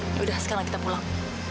ya udah sekarang kita pulang